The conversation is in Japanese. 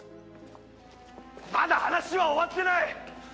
まだ話は終わってない！